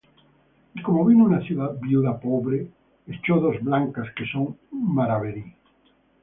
Y como vino una viuda pobre, echó dos blancas, que son un maravedí.